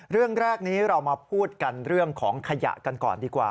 เรื่องแรกนี้เรามาพูดกันเรื่องของขยะกันก่อนดีกว่า